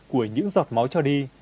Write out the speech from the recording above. của những giọt máu cho đi